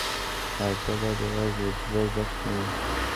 مرکه باید یوازې د یوټوبر ګټه نه وي.